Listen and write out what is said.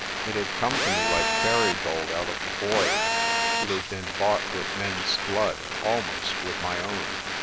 It had come to me like fairy gold out of the void; it had been bought with men's blood, almost with my own.